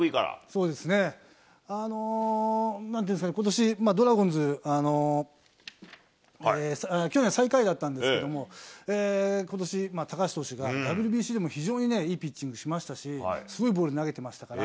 そうですね。なんていうんですかね、ことし、ドラゴンズ、去年最下位だったんですけど、ことし、高橋投手がＷＢＣでも非常にいいピッチングしましたし、すごいボール投げてましたから。